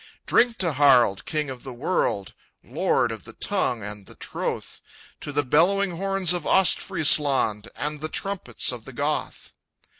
"Drink to Harald, king of the world, Lord of the tongue and the troth! To the bellowing horns of Ostfriesland, And the trumpets of the Goth!"